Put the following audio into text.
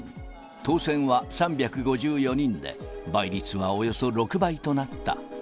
当せんは３５４人で、倍率はおよそ６倍となった。